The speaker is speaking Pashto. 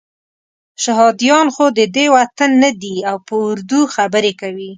شهادیان خو ددې وطن نه دي او په اردو خبرې کوي.